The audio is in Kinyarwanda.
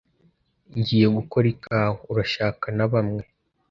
Ngiye gukora ikawa. Urashaka na bamwe?